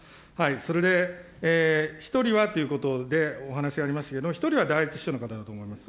それで、１人はということでお話ありましたけれども、１人は第１秘書の方だと思います。